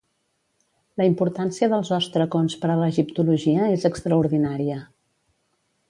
La importància dels òstracons per a l'egiptologia és extraordinària.